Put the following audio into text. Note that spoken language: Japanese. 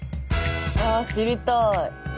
あ知りたい！